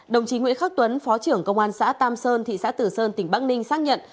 đồng chí nguyễn khắc tuấn phó trưởng công an xã tam sơn thị xã tử sơn tỉnh bắc ninh xác nhận